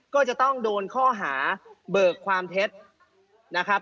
ก็จะต้องโดนข้อหาเบิกความเท็จนะครับ